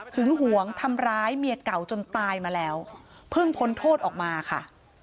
หวงทำร้ายเมียเก่าจนตายมาแล้วเพิ่งพ้นโทษออกมาค่ะ